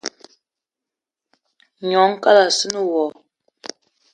Gnong kalassina wo.